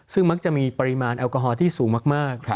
ซึ่งมักจะมีปริมาณแอลกอฮอลที่สูงมาก